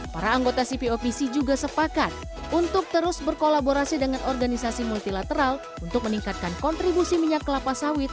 para anggota cpopc juga sepakat untuk terus berkolaborasi dengan organisasi multilateral untuk meningkatkan kontribusi minyak kelapa sawit